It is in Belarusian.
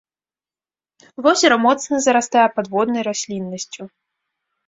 Возера моцна зарастае падводнай расліннасцю.